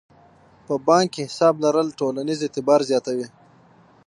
په بانک کې حساب لرل ټولنیز اعتبار زیاتوي.